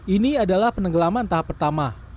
ini adalah penenggelaman tahap pertama